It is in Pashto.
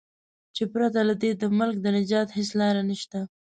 چې پرته له دې د ملک د نجات هیڅ لار نشته.